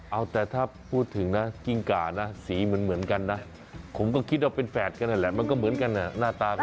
เอาแต่ถ้าพูดถึงนะกิ้งก่านะสีเหมือนกันนะผมก็คิดว่าเป็นแฝดกันนั่นแหละมันก็เหมือนกันหน้าตาก็